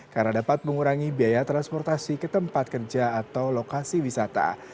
karena dapat mengurangi biaya transportasi ke tempat kerja atau lokasi wisata